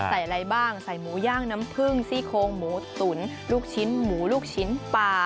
อะไรบ้างใส่หมูย่างน้ำผึ้งซี่โคงหมูตุ๋นลูกชิ้นหมูลูกชิ้นปลา